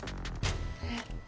えっ。